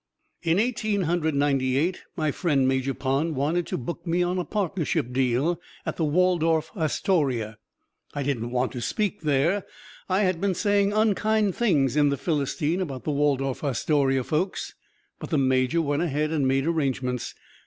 In Eighteen Hundred Ninety eight, my friend Major Pond wanted to book me on a partnership deal at the Waldorf Astoria. I didn't want to speak there I had been saying unkind things in "The Philistine" about the Waldorf Astoria folks. But the Major went ahead and made arrangements.